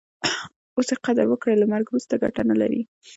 اوس ئې قدر وکړئ! له مرګ وروسته ګټه نه لري.